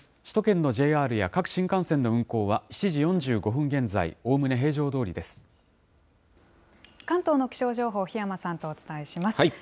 首都圏のＪＲや各新幹線の運行は、７時４５分現在、関東の気象情報、檜山さんとお伝えします。